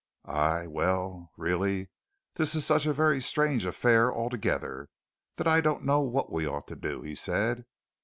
"I well, really, this is such a very strange affair altogether that I don't know what we ought to do," he said.